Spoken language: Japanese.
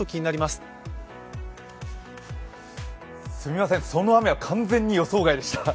すみません、その雨は完全に予想外でした。